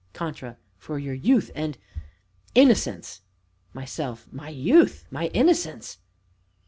CONTRA. For your youth and innocence. MYSELF. My youth! my innocence!